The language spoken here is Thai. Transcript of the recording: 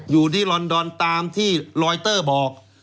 อยู่ที่ลอนดอนตามที่ลอยเตอร์บอก